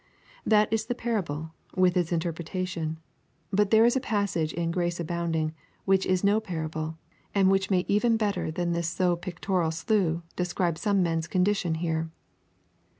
That is the parable, with its interpretation; but there is a passage in Grace Abounding which is no parable, and which may even better than this so pictorial slough describe some men's condition here.